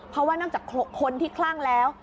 เพราะว่านอกจากคนที่คลั่งแล้ว